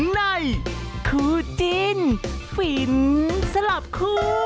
ในคุณจินฝีนสลับครัว